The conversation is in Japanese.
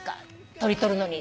鳥撮るのに。